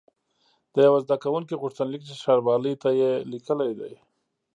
د یوه زده کوونکي غوښتنلیک چې ښاروالۍ ته یې لیکلی دی.